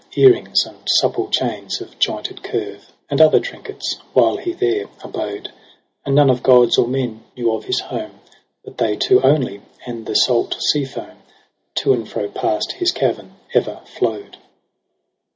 Earrings, and supple chains of jointed curve. And other trinkets, while he there abode : And none of gods or men knew of his home. But they two only 5 and the salt sea foam To and fro past his cavern ever flow'd.